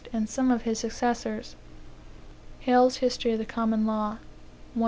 and some of his successors." 1 Hale's History of Common Law, 157.